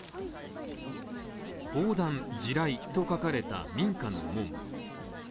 「砲弾・地雷」と書かれた民家の門。